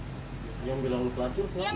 itu bukan pelacuran ya